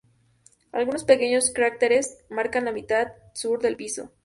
Algunos pequeños cráteres marcan la mitad sur del piso.